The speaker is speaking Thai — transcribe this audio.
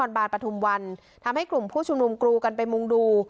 ของนครบาลปธุมวันทำให้กลุ่มผู้ชุมนุมกลูกันไปมุงดู